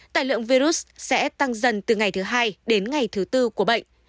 tài lượng virus sẽ tăng dần từ ngày thứ hai đến ngày thứ tư của bệnh